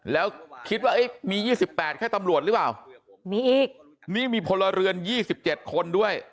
แล้วคิดว่ามี๒๘แค่ตำรวจหรือเปล่ามีอีกนี่มีพลเรือน๒๗คนด้วย